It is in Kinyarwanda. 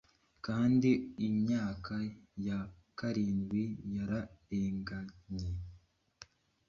Kandi imyaka ya karindwi yararenganye.